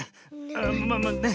ああまあまあね